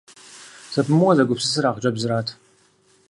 Зэпымыууэ зэгупсысыр а хъыджэбзырат.